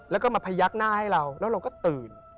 แล้วก็มาพยักหน้าให้เราแล้วเราก็ตื่น